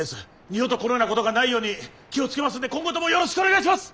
二度とこのようなことがないように気を付けますので今後ともよろしくお願いします。